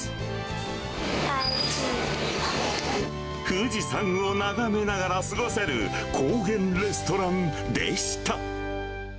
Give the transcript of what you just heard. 富士山を眺めながら過ごせる高原レストランでした。